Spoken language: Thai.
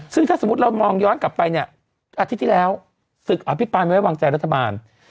ซึ่งถ้าสมมุติเรามองย้อนกลับไปเนี่ยอาทิตย์ที่แล้วศึกอภิปรายไว้วางใจรัฐบาล